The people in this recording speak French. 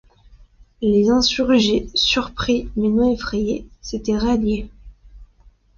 Les insurgés, surpris, mais non effrayés, s’étaient ralliés.